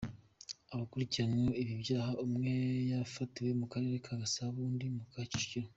Abakurikiranyweho ibi byaha umwe yafatiwe mu Karere ka Gasabo undi mu ka Kicukiro.